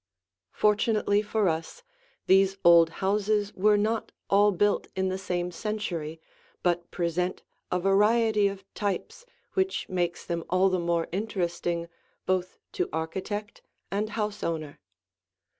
Fortunately for us, these old houses were not all built in the same century, but present a variety of types which makes them all the more interesting both to architect and house owner.